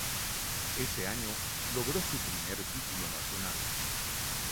Ese año logró su primer título nacional.